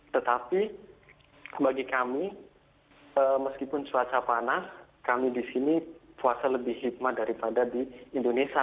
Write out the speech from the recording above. tetapi bagi kami meskipun cuaca panas kami di sini puasa lebih hikmat daripada di indonesia